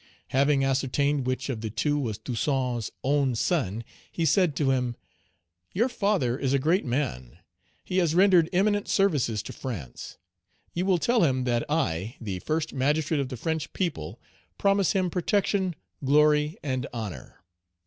Having ascertained which of the two was Toussaint's own son, he said to him, "Your father is a great man; he has rendered eminent services to France. You will tell him that I, the first magistrate of the French people, promise him protection, glory, and honor.